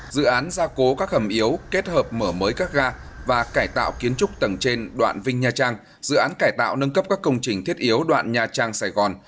dự án gia cố các hầm yếu kết hợp mở mới các ga và cải tạo kiến trúc tầng trên đoạn vinh nha trang dự án cải tạo nâng cấp các công trình thiết yếu đoạn nha trang sài gòn